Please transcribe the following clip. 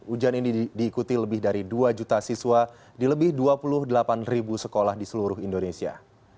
ujian ini diikuti lebih dari dua juta siswa di lebih dua puluh delapan ribu sekolah di seluruh indonesia